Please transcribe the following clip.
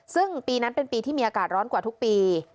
ซึ่งปีนั้นเป็นปีที่มีอากาศร้อนกว่าทุกปี